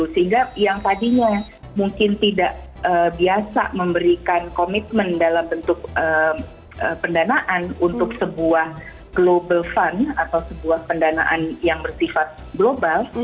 sehingga yang tadinya mungkin tidak biasa memberikan komitmen dalam bentuk pendanaan untuk sebuah global fund atau sebuah pendanaan yang bersifat global